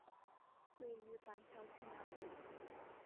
位于板桥区南部。